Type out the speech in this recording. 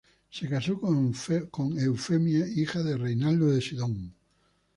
Se casó con Eufemia, hija de Reinaldo de Sidón.